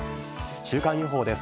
週間予報です。